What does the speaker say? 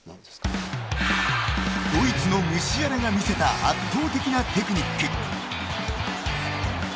ドイツのムシアラが見せた圧倒的なテクニック。